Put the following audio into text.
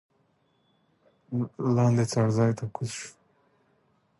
لاندې څړځای ته کوز شوو.